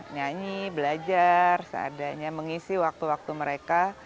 nyanyi belajar seadanya mengisi waktu waktu mereka